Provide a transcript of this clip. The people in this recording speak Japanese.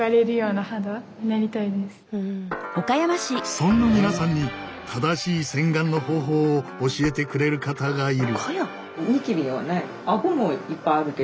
そんな皆さんに正しい洗顔の方法を教えてくれる方がいる。